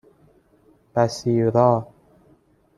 بَصیرا